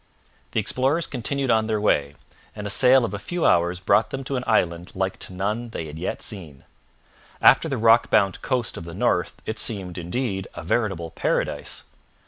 The explorers continued on their way, and a sail of a few hours brought them to an island like to none that they had yet seen. After the rock bound coast of the north it seemed, indeed, a veritable paradise.